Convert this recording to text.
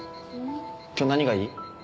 今日何がいい？